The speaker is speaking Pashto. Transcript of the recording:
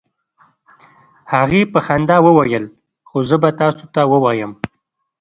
هغې په خندا وویل: "خو زه به تاسو ته ووایم،